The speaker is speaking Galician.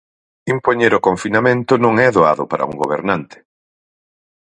Impoñer o confinamento non é doado para un gobernante.